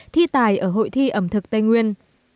thi tài ở hội thi ẩm thực tây nguyên